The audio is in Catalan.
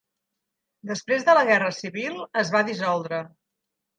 Després de la guerra civil es va dissoldre.